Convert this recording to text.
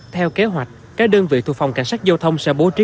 theo kế hoạch các đơn vị thuộc phòng cảnh sát giao thông sẽ bố trí